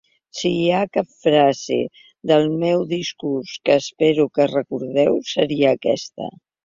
Si hi ha cap frase del meu discurs que espero que recordeu, seria aquesta.